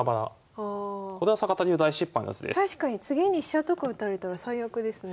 確かに次に飛車とか打たれたら最悪ですね。